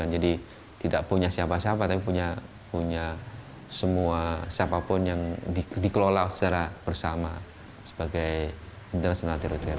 jadi tidak punya siapa siapa tapi punya semua siapapun yang dikelola secara bersama sebagai international territory